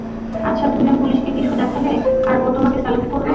আচ্ছা, তুমি ওই পুলিশকে কিছু দেখালে, আর ও তোমাকে স্যালুট করলো।